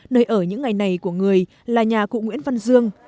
nơi ở những ngày này của người là nhà cụ nguyễn văn dương